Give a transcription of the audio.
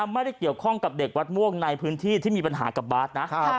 ไม่ได้เกี่ยวข้องกับเด็กวัดม่วงในพื้นที่ที่มีปัญหากับบาร์ดนะ